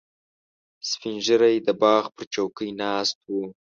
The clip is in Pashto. سپین ږیری د باغ پر چوکۍ ناست و.